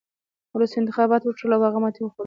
وروسته انتخابات وشول او هغه ماتې وخوړه.